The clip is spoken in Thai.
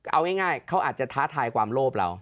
เอาง่ายเขาอาจจะท้าทายความโลภเรา